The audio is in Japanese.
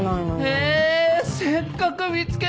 えっせっかく見つけたのに。